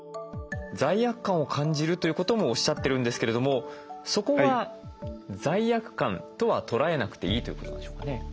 罪悪感を感じるということもおっしゃってるんですけれどもそこは罪悪感とは捉えなくていいということなんでしょうかね？